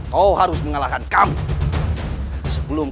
kau harus mencari karyating